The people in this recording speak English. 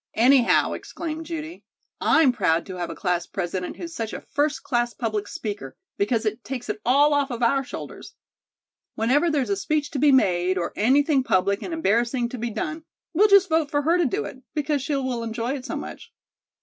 "Anyhow," exclaimed Judy, "I'm proud to have a class president who's such a first class public speaker, because it takes it all off our shoulders. Whenever there's a speech to be made or anything public and embarrassing to be done, we'll just vote for her to do it, because she will enjoy it so much."